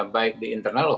baik di internal